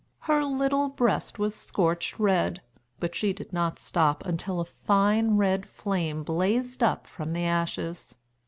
Her little breast was scorched red, but she did not stop until a fine red flame blazed up from the ashes.